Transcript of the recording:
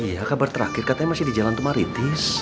iya kabar terakhir katanya masih di jalan tumaritis